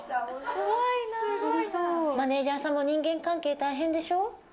マネージャーさんも人間関係大変でしょ？